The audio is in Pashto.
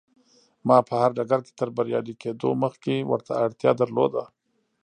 ما په هر ډګر کې تر بريالي کېدو مخکې ورته اړتيا درلوده.